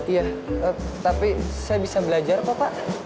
iya tapi saya bisa belajar kok pak